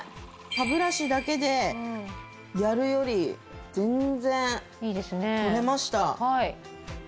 歯ブラシだけでやるより全然取れました。